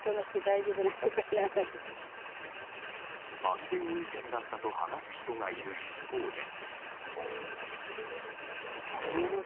安全運転だったと話す人がいる一方で。